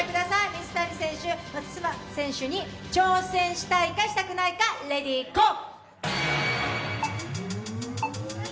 水谷選手、松島選手に挑戦したいかしたくないか、レディーゴー！